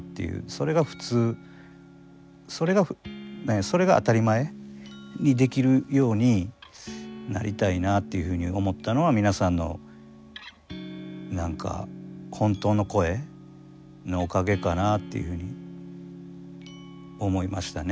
それが普通それが当たり前にできるようになりたいなっていうふうに思ったのは皆さんの何か本当の声のおかげかなっていうふうに思いましたね。